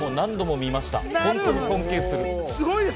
本当に尊敬する。